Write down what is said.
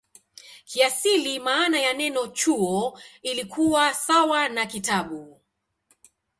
Kiasili maana ya neno "chuo" ilikuwa sawa na "kitabu".